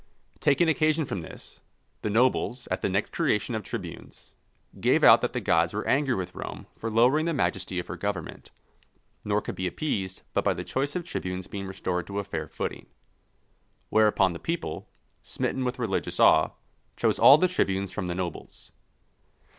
Taking occasion from this, the nobles, at the next creation of tribunes, gave out that the gods were angry with Rome for lowering the majesty of her government, nor could be appeased but by the choice of tribunes being restored to a fair footing. Whereupon the people, smitten with religious awe, chose all the tribunes from the nobles.